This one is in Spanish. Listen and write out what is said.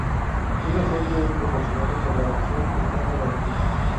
Un ejemplo es proporcionado por la región en forma de anillo.